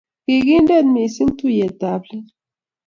Ki kindet mising tuiyet ab let